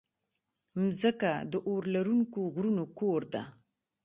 مځکه د اورلرونکو غرونو کور ده.